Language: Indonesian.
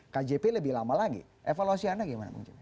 kjp lebih lama lagi evaluasi anda bagaimana bung jimmy